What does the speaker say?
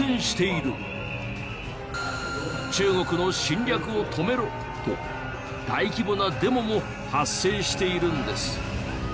「中国の侵略を止めろ！」と大規模なデモも発生しているんです。